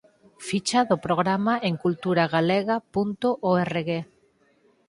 Ficha do programa en culturagalega.org